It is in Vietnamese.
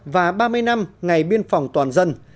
và ba mươi năm ngày biên phòng toàn dân